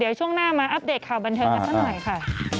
เดี๋ยวช่วงหน้ามาอัปเดตข่าวบันเทิงกันสักหน่อยค่ะ